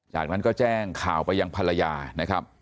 จากนั้นก็แจ้งข่าวไปยังภรรยานะครับ